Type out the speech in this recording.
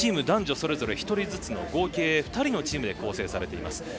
男女それぞれ１人ずつの合計２人のチームで構成されます。